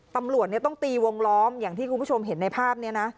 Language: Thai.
ตำรวจต้องตีวงล้อมอย่างที่คุณผู้ชมเห็นในภาพนี้นะ